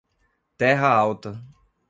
Terra Alta